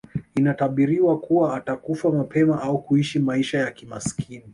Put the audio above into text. Inatabiriwa kuwa atakufa mapema au kuishi maisha ya kimasikini